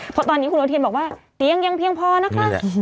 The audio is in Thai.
เพราะตอนนี้คุณอนุทินบอกว่าเตียงยังเพียงพอนะคะ